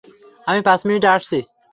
আমি পাঁচ মিনিটে আসছি।